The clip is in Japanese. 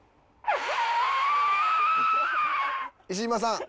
石嶌さん。